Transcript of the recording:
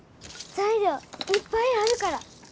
材料いっぱいあるから。